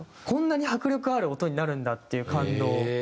こんなに迫力ある音になるんだっていう感動。